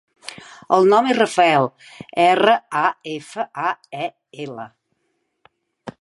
El nom és Rafael: erra, a, efa, a, e, ela.